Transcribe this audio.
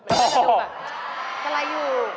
เหมือนกันจะดูแบบอะไรอยู่